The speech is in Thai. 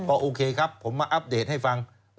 ก็โอเคครับผมมาอัปเดตให้ฟัง